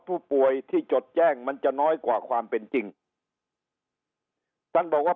ผู้ป่วยที่จดแจ้งมันจะน้อยกว่าความเป็นจริงท่านบอกว่า